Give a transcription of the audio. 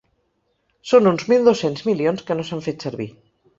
Són uns mil dos-cents milions que no s’han fet servir.